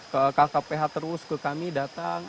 ke kkph terus ke kami datang